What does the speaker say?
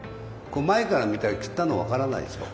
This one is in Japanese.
こう前から見たら切ったの分からないでしょ？